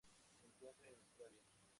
Se encuentra en Australia